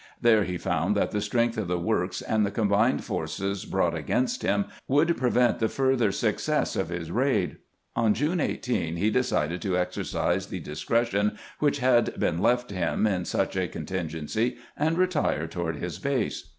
There he found that the strength of the works and the combined forces brought against him would prevent the further success of his raid. On June 18 he decided to exercise the discretion which had been left to him in such a contingency and retire toward his base.